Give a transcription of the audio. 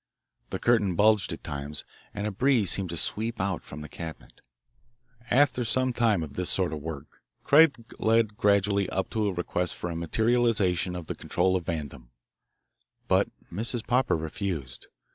The curtain bulged at times, and a breeze seemed to sweep out from the cabinet. After some time of this sort of work Craig led gradually up to a request for a materialisation of the control of Vandam, but Mrs. Popper refused.